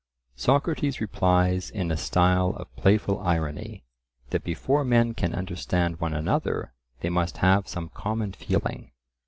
Socrates replies in a style of playful irony, that before men can understand one another they must have some common feeling.